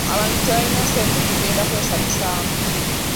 Abantu tebalina ssente kugenda kwesanyusaamu.